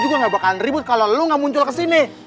gue juga nggak bakalan ribut kalau lo nggak muncul ke sini